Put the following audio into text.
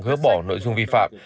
gỡ bỏ nội dung vi phạm